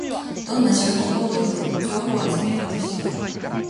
どんな消費行動でも情報を集めようとしてくる